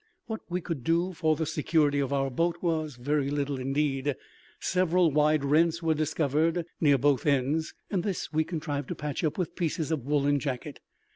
What we could do for the security of our boat was very little indeed. Several wide rents were discovered near both ends, and these we contrived to patch up with pieces of woollen jacket.